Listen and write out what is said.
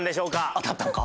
当たったんか？